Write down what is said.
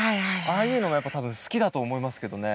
ああいうのがやっぱたぶん好きだと思いますけどね。